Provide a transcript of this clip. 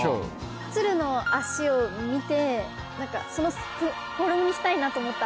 ツルの足を見てそのフォルムにしたいなと思った？